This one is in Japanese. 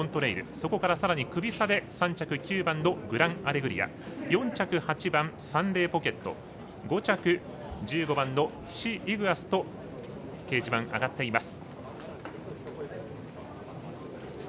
そこからさらにクビ差でグランアレグリア４着、８番サンレイポケット５着、１５番ヒシイグアスと掲示板上がっています。